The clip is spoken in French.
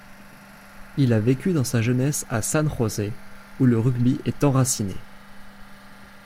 Il a vécu dans sa jeunesse à San Jose, où le rugby est enraciné.